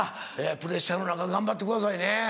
プレッシャーの中頑張ってくださいね。